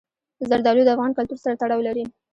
زردالو د افغان کلتور سره تړاو لري.